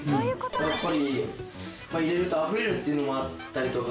やっぱり入れるとあふれるっていうのもあったりとか。